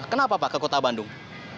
kenapa pak ke kota bandung